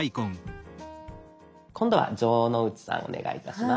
今度は城之内さんお願いいたします。